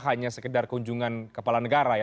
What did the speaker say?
hanya sekedar kunjungan kepala negara ya